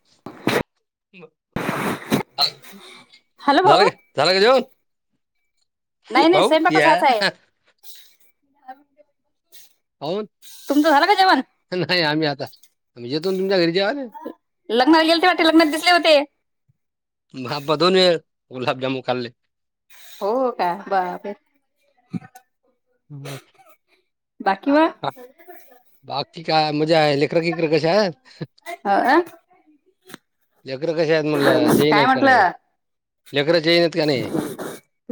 [unintelligible] Hello [unintelligible] भाऊ झालं का जेवन, नाही नाही स्वयंपाकच व्हायचा आहे [unintelligible] होन, तुमचं झाला का, जेवण, नाही आम्ही, आता येतोना, तुमच्या घरी जावयले, लग्नाला गेले ते वाटते लग्नात दिसले होते [unintelligible] दोन वेळा, गुलाबजामन खाल्ले, हो काय बापरे, हम, बाकी मग, बाकी काय, माझ्या लेकरी किकर कशे आहेत, हो [unintelligible] लेकर कश आहेत म्हला, चेन आहेत की नाही, म्हटलं लेकर चेनआहेतं का नाही,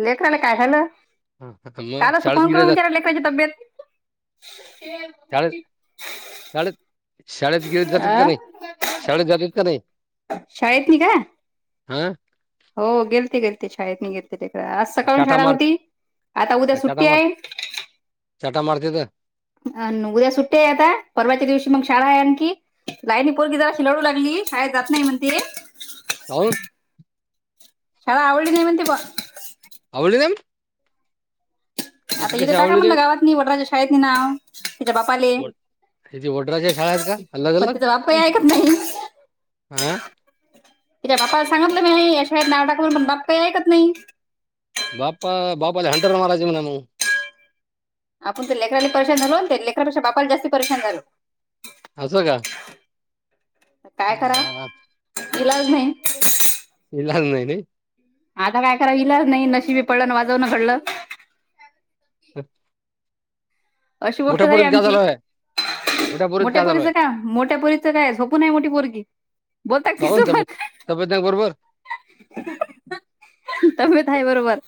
लेकराला काय झाालं, हा, हा, मग कालच शाळेत फोन गेले करून जात विचारा लेकराची तब्येत, शाळेत शाळेत [unintelligible] शाळेत गेळत जातात का नाही, शाळेत जातात का नाही, शाळेत नी काय, हा, हो गेलते गेलते शाळेत, निगेलते तेक आज सकाळून चाटा शाळा मार होती, आता उद्या सुट्टी आहे, चटा मारतीत, अ उद्या सुट्ट्या आहे आता, परवाच्या दिवशी मग शाळा आहे आणखी लाईनी पोरगी जरा शिलाडू लागली, शाळेत जात नाही म्हण ते, काऊन, शाळा आवडीली नाही म्हणते बा, आवडली नाही [unintelligible] आता इथे कशी टाका आवडली म्हणलं, रे गावातनी वडराच्या शाळेत, नी नाव त्यािच्या बापाले, ते वड्राच्या शाळा आहेत का, अलग पण अलग तिचा बाप काही ऐकत नाही हा, तिच्या बा्पाला सांगितलं मी, हेया शाळेत नाव टाकलं पण बाप काही ऐकत नाही, बापपा बापाले [unintelligible] आपण तर लेकराला परेशान झालो, तेलेकरापेक्षा बापाला जास्त परीक्षण झालो, असं का, काय करा मा- व, इलाज नाही, इलाज नाही, नी, आता काय करा इलाज नाही, नशीबी पड ना वाजवूनं घडलं, ह [unintelligible] अशी गोष्ट झाली, आमची, आहे पोरीत मोठ्या काय झालं पोरीच आहे का, मोठ्या पोरी च काय झोपून आहे, मोठी पोरगी, बोलताका काहून तिच्या तब्येत सोबत, तब्येत नाही बरोबर त्याब्येत आहे, बरोबर,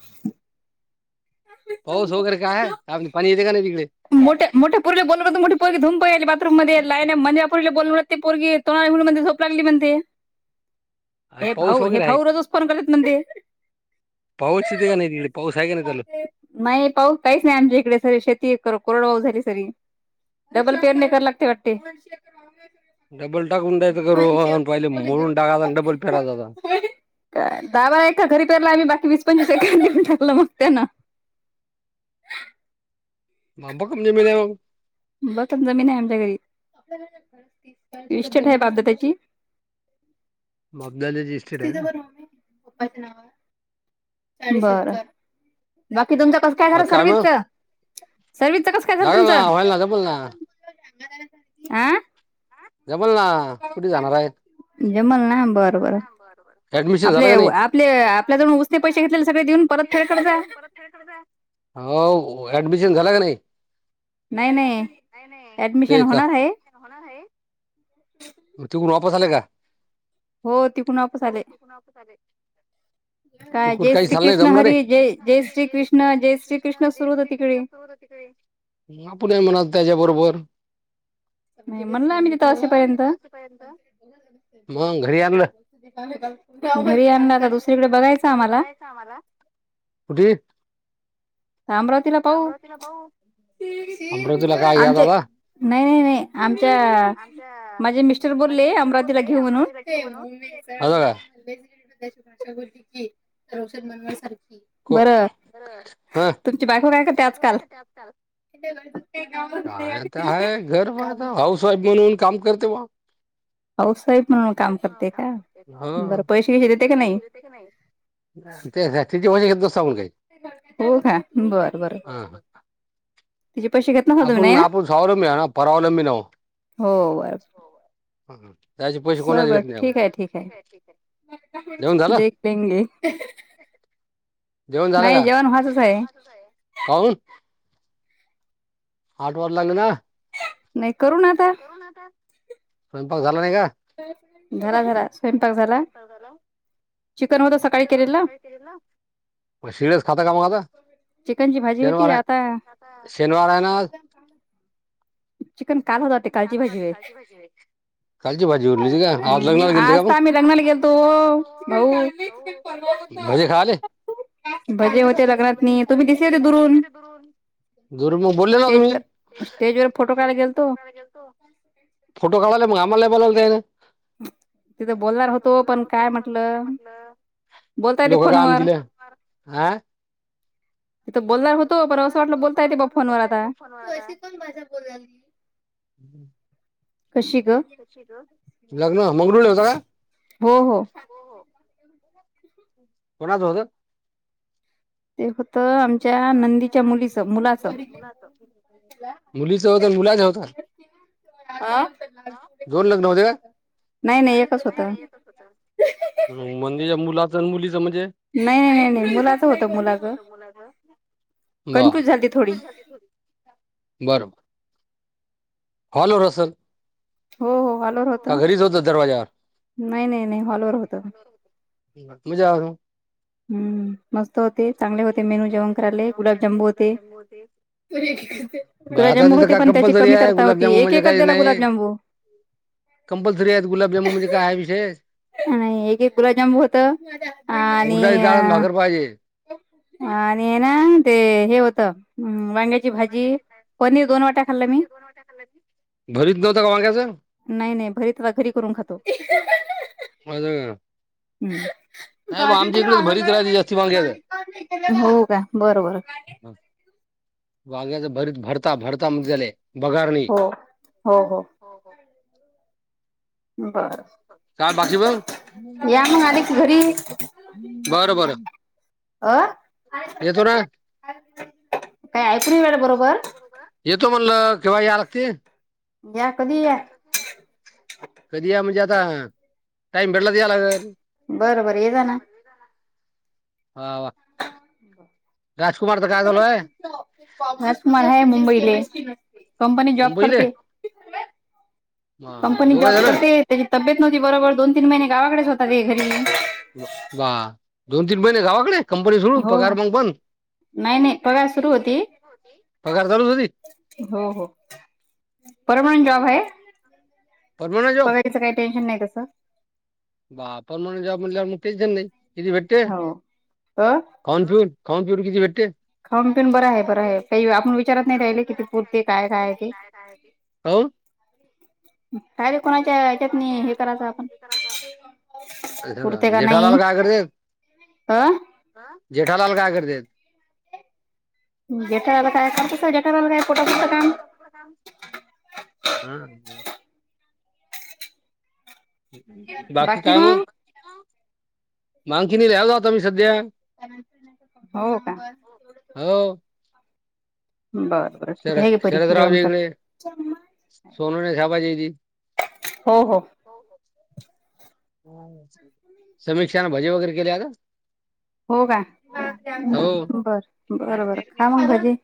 पाऊस वगैरे काय आहे, पाणी येते की नाही तिकडे, मोठे मोठे पोरीला बोलत मोठी पोरीधूम पळाली, बाथरू मध्ये लाईन मधल्या पोरीला बोलून ते पोरीगी, [unintelligible] झोप लागली म्हणते, [unintelligible] हे पाऊस भाऊ, हे वगैरे आहे भाऊ रोजच फोन करत म्हणते, पाऊस च येते की नाही तिकडे, पाऊस आहेकी नाही तचालू, नाही पाऊस काहीच नाही आमच्या इकडे, सारी शेती कोरडऊ झाली सगळी, डबल पेरनी करवी, लागते वाटते, डबल टाकून द्ययच, का रो पहिले मोडून टाकायला, आणि डबल फेरारत, दा बाए का घरी पेरला आम्ही, बाकी वीस पंचवीस एक टाकलं मग त्यांना. [unintelligible] [unintelligible] जमीन आहे आमच्या घरी. इस्टेट बाबदा त्याची, मबदालीची इस्टेट आहे का बरं बाकी, तुम कसं. काय आ, झालं मग सर्विसच, सर्विसच कस काय झालं तुमचं. बगा, आं. जमल ना, कुठे जाणार आहे जमल ना, बर बर ऍडमिशन झालं आपले का अॅप नाही आपले आपल्याजवळ उसने पैसे घेतलेल, सगळे देऊन परत [unintelligible] हो ऍडमिशन झाला का नाही. नाही नाही ऍडमिशन ते, का होणार आहे तिकून वापस आले का? हो, तिकुण वापस आले. [unintelligible] वापस आले. काय जय श्री कृष्ण हरी, जय जय श्री कृष्ण जय, श्री कृष्ण सुरू होतं तिकडे, आपण हाय म्हणाल, त्याच्या बरोबर. मी म्हणलं, आम्ही तिथं तसेपर्यंत. मंग, घरी आणंला का, दुसरीकडे बघायचा आम्हाला. कामाला, कुठे आम्रावतीला पाहू अमरावतीला काय घ्या आमचें. दादा नाही नाही नाही. आमच्या माझे मिस्टर बोलले अमरावतीला घेऊ म्हणून, दादा का [unintelligible] को, हं बायको काय तुमची करते बायको आजकाल काय करते, आज काल काय आता आहे, घर हाऊस वाईफ म्हणून काम करते बुवा. हाऊस वाईफ म्हणून काम करते का, बरं पैसे हे देते की नाही. [unintelligible] सांगून काही. हो खा, बर बर तिचे पैसे घेतला. आपूण आपण स्वावलंबी आहे ना, परावलंबी नव्ह. हो बरं, हा, हा. त्यांचे पैसे कोणच घेत नाही आपण, बर बर ठिक आहे ठिक आहे. देखेंगे. नाही जेवण व्हाचंच आहे. कौवून. आट वाजू लागले ना. नाही करु, ना आता. स्वयंपाक झाला नाही का? झाला झाला, स्वयंपाक झाला. [unintelligible] ला चिकन होतं सकाळी चिकन [unintelligible] केलेलं सकाळी केलेल ना. मग शीळच खाता कां मग आता, चिकनची भाजी शनिवार होती आहे आता शनिवार आहे ना आज. चिकन काल होत, ते कालची भाजी होय. [unintelligible] कालची भाजी उरली होती का आज लग्नाला गेलते का आजता आम्ही लग्नाला गेलतो ओ भाऊ. मग भजे खाले भजे होते लग्नातनी, तुम्ही दिसेल होते दुरून. दुरु बोले ना तुम्ही, स्टेजवर स्टेजवर फोटो काडाय गेल फोटो काढाय गेलतो, फोटो काढायला मग आम्हाला नाही बोलवल त्यांनी. तिथं बोलणार होतो पण काय म्हटलं बोलताय ते फोनवर आह तिथं बोलणार होतो प असं वाटलं बोलता येते बा फोनवर आता तू अशी कोण भाषा बोलाय कशी ग? लग्न मगरू होता का हो हो कोणाच होतं ते होत आमच्या नंदीच्या मुलीच मुलाच मुलीच होत मुलाच होत अ दोन लग्न होते का नाही नाही एकच होत नंदेच्या मुलाचं मुलीचं म्हणजे नाही नाही नाही नाही मुलाचं होतं मुलाचं कन्फ्युज झाली बर थोडी बरं बर हॉल वर असलं हो हो वॉलवर होत होतं दरवाजावर नाही नाही नाही हॉलवर होत ब मजा आतो हम्म मस्त होते चांगले होते मेनू जेवण करायले गुलाबजांबू होते हो ते गुलाबजांबू होते पण त्याची कंपल्सरी कमी आहे तरता होती गुलाबजामुन एक म्हणजे एकच द्याला गुलाबजांबू कं्पल्सरी आहेत गुलाबजमुन ज का आहेय विेष नाही एक एक गुलाबजाम होत आणि उडदाची डाळ आणि अ भाकर पाहिजे आणि ना ते हे होतं वांग्या माज क पनीर दोन वाट खलं भरीत नव्हत कां वांगायचं नाही नाही भरीत घरी करून खातो अज हम्म इकडेच भरीत राहते जास्ती वांग्याचं हो का बरोबर वाग्याच भरीच भरता भरता मग झाले बगार नाही हो हो हो बर काय बाकी बघ या मग आले की घरी अ बर बर येतो ना काय ऐकरी वेळ बरोबर येतो म्हणलं केव्हा या लागते घ्या कधीया कधी या म्हणजे आता टाइम भेडला याला बरं बरं ये जा ना हा वा बर राजकुमार च काय झालं राजकुमार हाय मुंबईले कंपनी जॉब मुंबईले करते दोघ कंपनीजॉब जण करते त्याची तब्येत नव्हती बरोबर दोन तीन महिने गावाकडेच होताात ते घरी बा दोन तीन महिने गावाकडे कंपनी सोडू हो पगार मग बंद नाही नाही पगार सुरू होती पगार चालूच होती हो हो परमनंट जॉब आहे पगारीच काही टेन्शन नाही तसं बापण म्हणून ज म्हणलं मग तेच नाही की भेटते हो अ खाऊन पिऊन खाऊन पिऊन किती भेटतय खाऊब पिण बरं आहे बरं आहे काही आपण विचारत नाही राहिले कि ते पुरते काय काय आहे ते खाऊन काय रे कोणाचं ऐकत नाही, हे करायचं आपण [unintelligible] जेठालाल काय करते? आं अ, जेठालाल काय करतेत? जेठालाल काय, खर्चचा जेठालाल काय [unintelligible] [unintelligible] बाकी काय मग? [unintelligible] तो मी सध्या, हो का हो बर बर ठीक आहे, ये शरद परी जेवण शरदरावच्या इकडे कर [unintelligible] सोनवणे साहेबाच्या इथे हो हो समीक्षानं भजे वगैरे केले अगं. हो का? हो बर बर बर, खा मग भजी.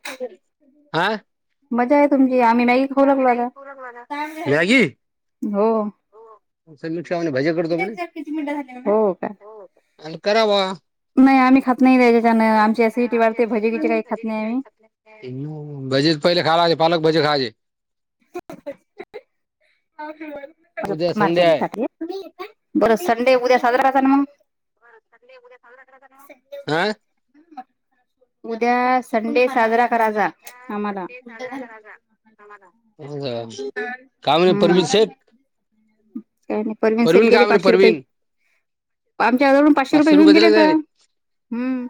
हा मजा आहे तुमची, आम्ही मॅगी खाऊ लागलो आता, काय [unintelligible] हो हो, समीक्षा म्हणे भजे करतो म्हणे [unintelligible] किती मिनटं झाली, हो का? आणि करावा नाही आम्ही खात नाही, त्याच्यानं आमची असिडिटी वाढते भजी बीजी काही खात नाही आम्ही. भजेच पहिले खाला, पालक भजे खायचेे. [unintelligible] उद्या संडे आहे [unintelligible] बर संडे उद्या साजरा कराचा ना मग? [unintelligible] संडे उद्या साजरा करायचा ना मग, आ? उद्या संडे साजरा कराचा, आम्हाला. आम्हाला, का म्हणे परविन शेठ? काय नाही, परवीन शेठ गेले काय म्हणे पाचशे रुपये परवीन आमच्या जवळून पाचशे रुपये घेऊन गेलेत. हम्म,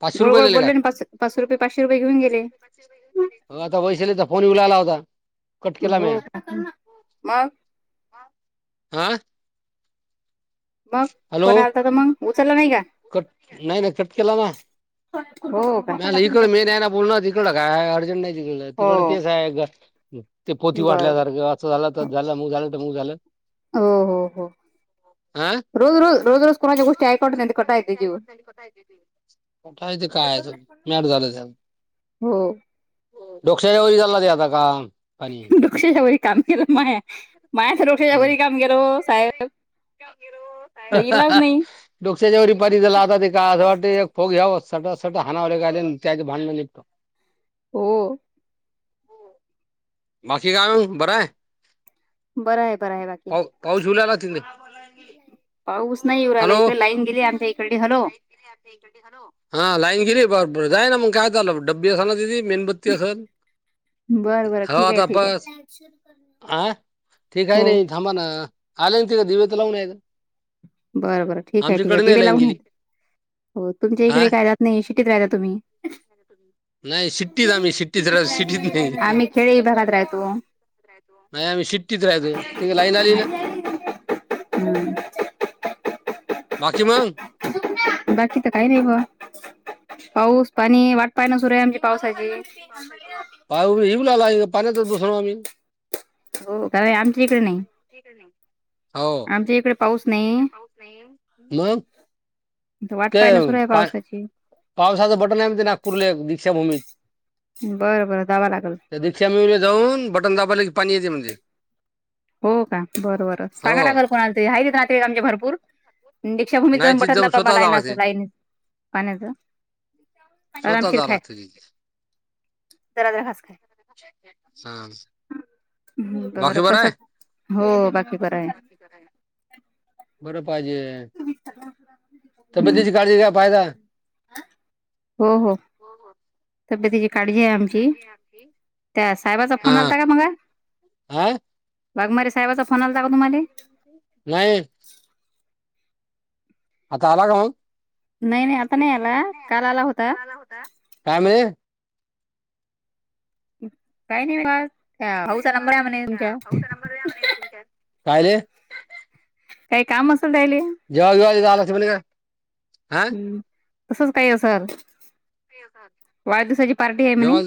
पाचशे गोड रुपये गोड दिले का बोलले अन पाच पाचश रुपये पाचशे रुपये घेऊन गेले. मग आता वैशालीचा फोन येऊ लागला होता. कट केला हो म्या का, मग? आ मग हॅलो! फोन आलता तर मग उचलला नाही का कट, नाही ना कट केला ना. हो का? नाहीला इकडं मेन आहे ना बोलनं, तिकडं काय हाय अर्जंट नाही तिकडं, हो तिकडं तेच आहे ते पोती बरोबर वाटल्यासारखं, असं झालं तर झालं मग झालं तमुक झालं. हो हो हो आ रोज रोज रोज रोज को रोज रोज रोज कोणाच्या गोष्टी [unintelligible] मग काय ते खायचं मॅड झालं जाम. हो डोकशाच्या वरी चाललं ते आता का, पाणी [unintelligible] वरी काम केलं माया, माया तर डोकशाच्या हम्म वरी काम गेलं व साहेब [unintelligible] ओ इलाज साहेब नाही डोकशाच्या वरी पारी झाला आता, ते का असं वाटतंय एक फोग घ्यावं, सटा सटा हानावं काय त्याच भांडणं निघतो [inaudible] हो बाकी काय मग, बरं आहे? बरं आहे बर आहे बाक पाऊ पाऊस येऊन राहिला थिले? पाऊस नाही येऊ राहिला इथे, लाईन गेली आमच्या इकडे, हॅलो! एक [unintelligible] हां लाईट गेली ब बरं जाय ना म काय झालं डब्बी असल ना तिथी मेणबत्ती असल. बरं बरं ठीक आहे ठीक आहे. आ ठीक आये हो नई थांबा ना आले न ते दिवे त लावून यायचं. बरं बरं ठीक आहे ठीके आहे दिवे लावून येत हो तुमच्या हा इकडे काय रात नाई शिटित राह्यला तुम्ही. नाही सिट्टीत आम्ही सिट्टीच रा सिटीत नाही. आम्ही खेडे विभागात राहतो. नाही आम्ही शिट्टीत राहतो ती लाईन आली ना? हम्म. [unintelligible] बाकी मंग? बाकी त काई नाही ब पाऊस पाणी वाट पाय ना सुरू आहे आमची पावसाची. पाऊस हाय कि? पाऊ येऊ लालाय पाण्यातच बसलो आम्ही. हो का आमच्या इकडे नाही. हो आमच्या इकडे पाऊस नाही. म. ता वाट पाहणं सुरू आहे पावसाची. पावसाचं बटन आहे ना ते नागपूरला दीक्षाभूमीत. बरं बरं जावा लागल. त्या दिक्षा मिच्या जवळून बटन दाबाला की पाणी येते म्हणजे. हो का बरं बरं हो सांगायलागल कोणाला तरी आहे त नाते आमचे भरपूर. दीक्षाभूमीत नाही जाऊन तिथे बठण दाबाबा स्वतः जावं लायनाचं लागते लाईन पाण्याचं. स्वतः आरामशीर जा खाय रात्री. जरा जरा घास खाय. हां बरं बाकी कसं बरंय? हो बाकी बरंय. तीच काय ना बरं पाहिजे. तब्बेतीची काळजी घ्या पाहिजा. आ हो हो. तब्यतीची काडजी आहे आमची त्या साहेबाचा फोन हा आलता का मगा? हा वाघमारे साहेबाचा फोन आलता का तुम्हाले? नाई. आता आला काय? नाई नाई आता नाई आला काल आला होता. ला होता. ता मिळे काही नाही मनत हाऊचा नंबर आहे म्हणे तुमच्या. [unintelligible] म्हणे तुमच्या काय रे. काई काम असेल त्याहिले. जेवाय बिवाय जायला लागते म्हणे ना. हम्म तसच काई असनार. उयग. [unintelligible] वाढदिवसाची पार्टी आहे म्हने.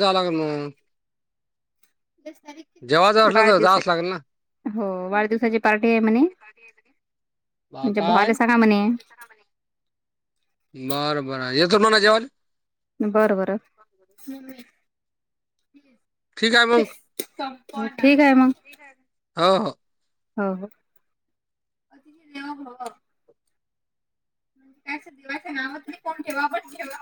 जेव्हा जावं असलं तर वाढदिवस आय जावंच लागेल ना वाढदिवसाची पार्टी आहे म्हणे. कधी आये म्हणे? तुमच्या भवाला सांगा म्हणे. सगा म्हणे बर बर येतो मणा जवाल. बर बर. ठीक आहे ठिक आये मंग. ठिक आये म हो हो. हो हो अतिथी देवो भव. त्याच दिवाचं नाव मंजे कोण ठेवा आपण ठेवा.